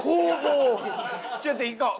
ちょっと行こう。